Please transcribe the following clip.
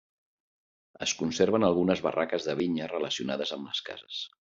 Es conserven algunes barraques de vinya relacionades amb les cases.